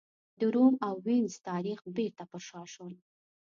د روم او وینز تاریخ بېرته پر شا شول.